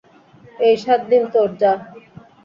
এই সাতদিন তোর, যা।